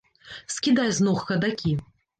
Скідай з ног хадакі!